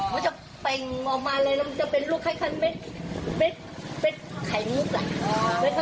มันจะเป็นออกมาเลยแล้วมันจะเป็นลูกแค่แค่เม็ดไข่มุกล่ะ